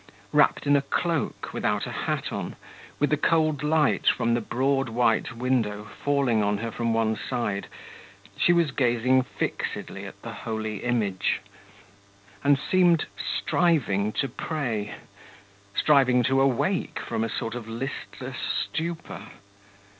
Wrapped in a cloak, without a hat on, with the cold light from the broad white window falling on her from one side, she was gazing fixedly at the holy image, and seemed striving to pray, striving to awake from a sort of listless stupor.